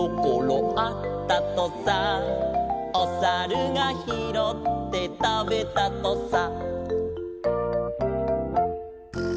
「おさるがひろってたべたとさ」